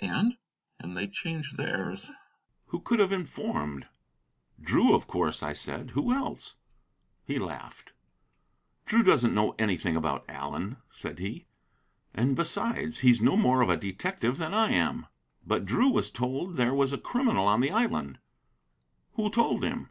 "And " "And they changed theirs." "Who could have informed?" "Drew, of course," I said; "who else?" He laughed. "Drew doesn't know anything about Allen," said he; "and, besides, he's no more of a detective than I am." "But Drew was told there was a criminal on the island." "Who told him?"